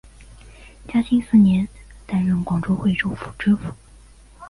嘉靖四年担任广东惠州府知府。